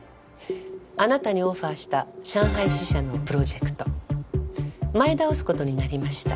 あなたにオファーした上海支社のプロジェクト前倒す事になりました。